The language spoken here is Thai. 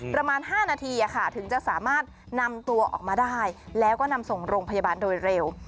ประมาณ๕นาทีถึงจะสามารถนำตัวออกมาได้แล้วก็นำส่งโรงพยาบาลโดยเร็ว